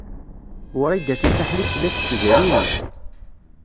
Wrida Tasaḥlit tella tettezriri.